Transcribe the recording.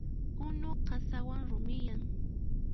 Unu qasawan rumiyan.